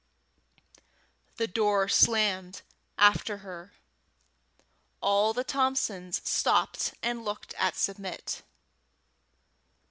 The door slammed after her. All the Thompsons stopped and looked at Submit.